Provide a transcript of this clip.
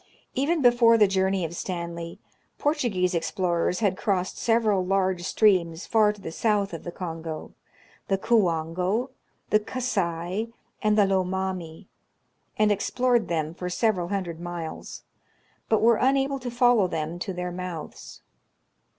Even before the journey of Stanley, Portuguese explorers had crossed several large streams far to the south of the Kongo, — the Kuango, the Kassai, and the Lomami, — and explored them for several hun dred miles, but were unable to follow them to their mouths.